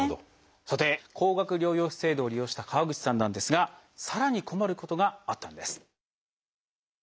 さて高額療養費制度を利用した川口さんなんですがさらに困ることがあったんです。